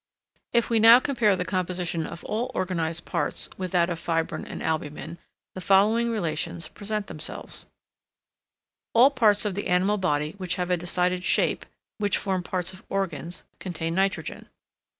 If we now compare the composition of all organised parts with that of fibrine and albumen, the following relations present themselves: All parts of the animal body which have a decided shape, which form parts of organs, contain nitrogen.